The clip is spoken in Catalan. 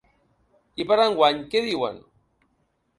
I per a enguany què diuen?